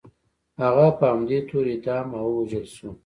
هغه په همدې تور اعدام او ووژل شو.